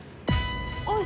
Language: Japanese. おい。